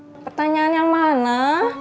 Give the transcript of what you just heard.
pertanyaan yang mana